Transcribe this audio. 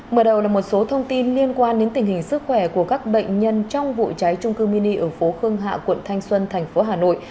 mở đầu là một số thông tin liên quan đến tình hình sức khỏe của các bệnh nhân trong vụ cháy trung cư mini ở phố khương hạ quận thanh xuân thành phố hà nội